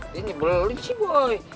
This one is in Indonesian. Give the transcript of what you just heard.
dia nyebelin sih boy